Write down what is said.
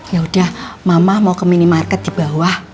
ya udah mama mau ke minimarket di bawah